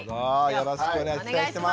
よろしくお願いします